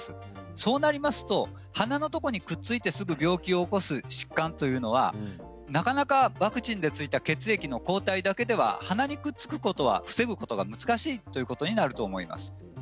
そうなりますと鼻のところにくっついてすぐ病気を起こす疾患というのはなかなかワクチンについた血液の抗体だけでは鼻にくっつくことは防ぐことが難しいということになってきます。